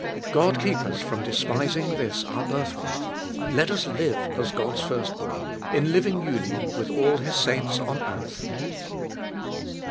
God keep us from despising this our birthright • let IboUest of ail 511 us live as God's firstborn, in living union with all His saints on earth.